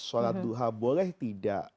sholat duha boleh tidak